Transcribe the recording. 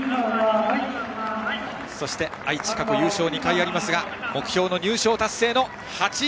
そして愛知、過去優勝２回ありますが目標の入賞達成、８位。